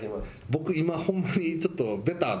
僕今ホンマにちょっとハハハハ！